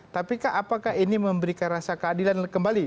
tapi apakah ini memberikan rasa keadilan kembali